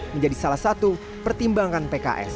menjadi salah satu pertimbangan pks